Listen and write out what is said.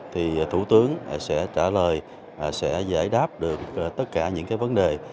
thì thủ tướng sẽ trả lời sẽ giải đáp được tất cả những vấn đề